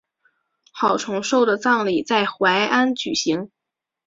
郝崇寿的葬礼在淮安举行。